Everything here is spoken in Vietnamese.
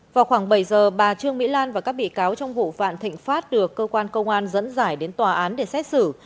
vào khoảng bảy giờ bà trương mỹ lan và các bị cáo trong vụ vạn thịnh pháp được cơ quan công an dẫn dải đến tòa án để xét xử